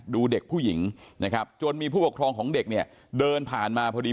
ดูเด็กผู้หญิงนะครับจนมีผู้ปกครองของเด็กเนี่ยเดินผ่านมาพอดี